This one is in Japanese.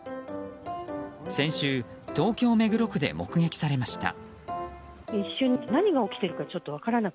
先週、東京・目黒区で目撃されました。